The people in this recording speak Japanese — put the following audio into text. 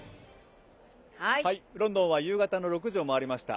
ロンドンは夕方の６時を回りました。